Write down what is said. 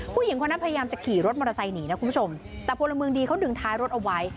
ผู้หญิงคนนั้นพยายามจะขี่รถมอเตอร์ไซค์หนีนะคุณผู้ชมแต่พลเมืองดีเขาดึงท้ายรถเอาไว้